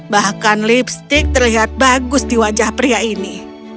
bahkan lipstick terlihat bagus di wajah pria ini